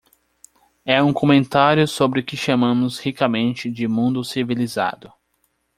É um comentário sobre o que chamamos ricamente de mundo civilizado.